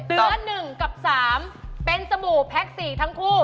๑กับ๓เป็นสบู่แพ็ค๔ทั้งคู่